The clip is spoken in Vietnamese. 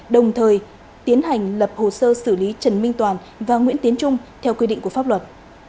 đồng thời tiến hành lập hồ sơ xử lý trần minh toàn và nguyễn tiến trung theo quy định của pháp luật